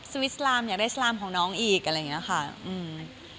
วิสลามอยากได้สลามของน้องอีกอะไรอย่างเงี้ยค่ะอืม